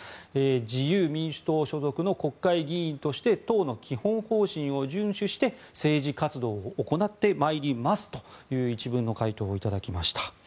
自由民主党所属の国会議員として当の基本方針を順守して政治活動を行ってまいりますという一文の回答をいただきました。